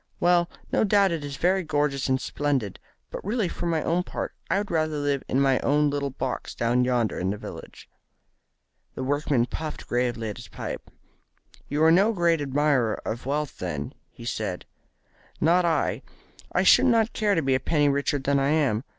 "Well, no doubt it is very gorgeous and splendid, but really for my own part I would rather live in my own little box down yonder in the village." The workman puffed gravely at his pipe. "You are no great admirer of wealth, then?" he said. "Not I. I should not care to be a penny richer than I am.